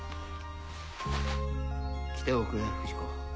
来ておくれ不二子